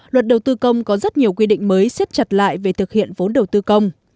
luật đầu tư công có rất nhiều quy định mới xếp chặt lại về thực hiện vốn đầu tư công